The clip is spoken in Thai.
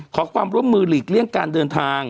ขอความร่วมมือหลีกเลี่ยงการเดินทาง